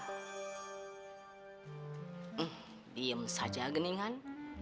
he'em diam saja geningan